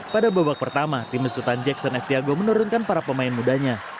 pada babak pertama tim besutan jackson f tiago menurunkan para pemain mudanya